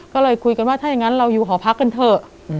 ก็เลยคุยกันว่าถ้าอย่างนั้นเราอยู่หอพักกันเถอะ